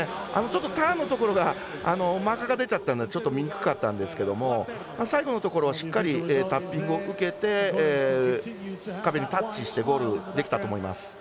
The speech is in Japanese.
ちょっとターンのところがマーカーが出ちゃったんで見にくかったんですけれども最後のところしっかりタッピングを受けて壁にタッチしてゴールできたと思います。